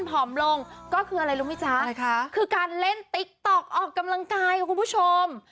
ผอมลงก็คืออะไรรู้ไหมจ๊ะคือการเล่นติ๊กต๊อกออกกำลังกายค่ะคุณผู้ชม